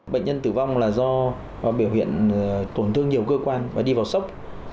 bệnh nhân tử vong là do biểu hiện tổn thương nhiều cơ quan và đi vào sốc